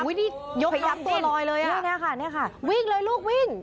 นี่นะคะวิ่งเลยลูกวิ่ง